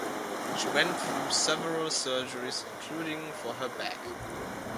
She went through several surgeries, including for her back.